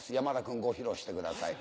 君ご披露してください。